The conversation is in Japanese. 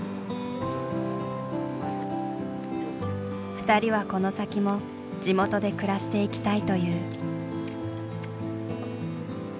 ２人はこの先も地元で暮らしていきたいという。